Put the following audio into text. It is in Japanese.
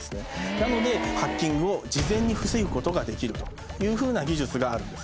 なのでハッキングを事前に防ぐことができるというふうな技術があるんです。